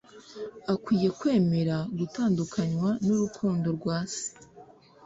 Akwiye kwemera gutandukanywa n'urukundo rwa Se.